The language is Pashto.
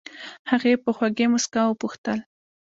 هغې په خوږې موسکا وپوښتل.